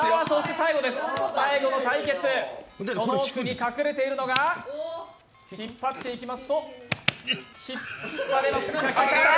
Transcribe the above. その奥に隠れているのが引っ張っていきますと引っ張れます？